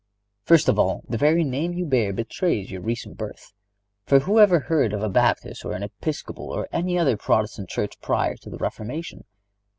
First of all, the very name you bear betrays your recent birth; for who ever heard of a Baptist or an Episcopal, or any other Protestant church, prior to the Reformation?